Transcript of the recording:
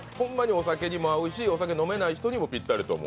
お酒にも合うしお酒飲めない人にもぴったりと思う。